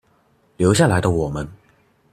留下來的我們